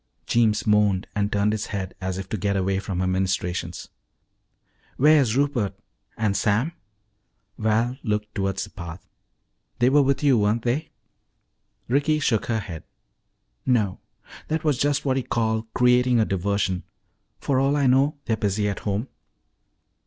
Jeems moaned and turned his head as if to get away from her ministrations. "Where's Rupert and Sam?" Val looked toward the path. "They were with you, weren't they?" Ricky shook her head. "No. That was just what you call creating a diversion. For all I know, they're busy at home."